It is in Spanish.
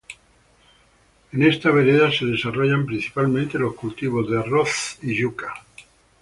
En esta vereda se desarrollan principalmente los cultivos de arroz y yuca.